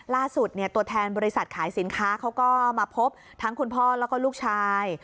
ตัวแทนบริษัทขายสินค้าเขาก็มาพบทั้งคุณพ่อแล้วก็ลูกชาย